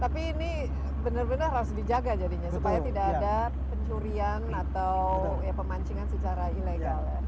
tapi ini benar benar harus dijaga jadinya supaya tidak ada pencurian atau pemancingan secara ilegal